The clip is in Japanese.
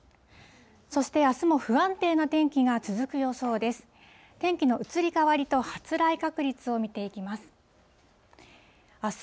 そしてあすも不安定な天気が続く予想です。